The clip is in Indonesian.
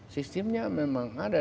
sistemnya memang ada